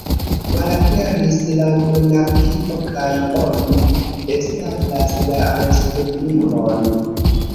Malaperis la monarkio kaj oni establas la Respublikon.